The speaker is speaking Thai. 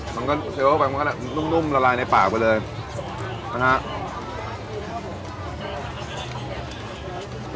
มันก็เคี้ยวไปมันก็แหละนุ่มนุ่มละลายในปากไปเลยนะฮะ